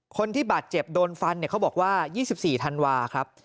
คนที่บาดเจ็บโดนฟันเขาบอกว่า๒๔ธันวาครับ